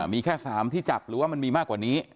มีแค่๓ที่จับหรือว่ามันมีมากกว่านี้